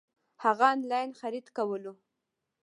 هغه انلاين خريد کولو